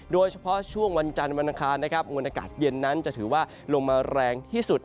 โดยเฉพาะช่วงวันจันทร์วันอังคารนะครับมวลอากาศเย็นนั้นจะถือว่าลมมาแรงที่สุด